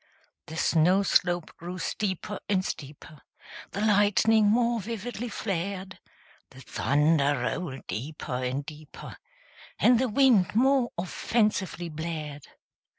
The snow slope grew steeper and steeper; The lightning more vividly flared; The thunder rolled deeper and deeper; And the wind more offensively blared.